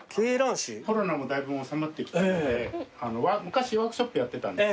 コロナもだいぶ収まってきたので昔ワークショップやってた。